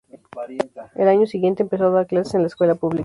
El año siguiente empezó a dar clases en la escuela pública.